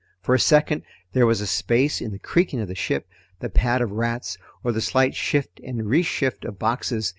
For a second there was a space in the creaking of the ship, the pad of rats, or the slight shift and reshift of boxes.